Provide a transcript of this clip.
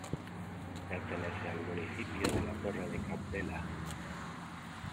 Pertenece al municipio de la Torre de Cabdella.